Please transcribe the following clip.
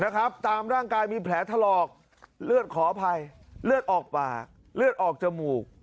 ตามร่างกายมีแผลถลอกเลือดขออภัยเลือดออกปากเลือดออกจมูก